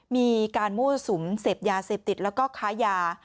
มีการมั่วสุมเสพยาเสพติดแล้วก็ค้ายา